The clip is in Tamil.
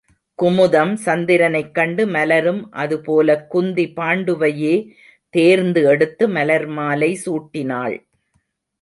குமுதம் சந்திரனைக்கண்டு மலரும் அதுபோலக் குந்தி பாண்டுவையே தேர்ந்து எடுத்து மலர்மாலை சூட்டினாள்.